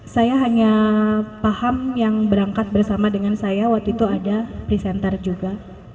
saya hanya paham yang berangkat bersama dengan saya waktu itu ada presenter juga